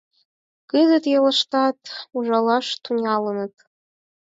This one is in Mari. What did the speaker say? Кызыт ялыштат ужалаш тӱҥалыныт.